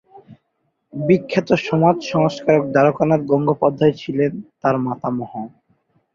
বিখ্যাত সমাজ সংস্কারক দ্বারকানাথ গঙ্গোপাধ্যায় ছিলেন তার মাতামহ।